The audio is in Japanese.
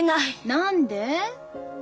何で？